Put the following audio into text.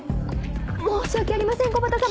申し訳ありません木幡様。